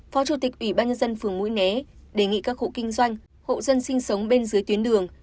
phó chủ tịch ủy ban nhân dân phường mũi né đề nghị các hộ kinh doanh hộ dân sinh sống bên dưới tuyến đường